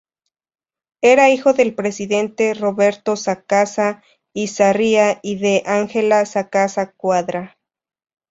Era hijo del presidente Roberto Sacasa y Sarria y de Ángela Sacasa Cuadra.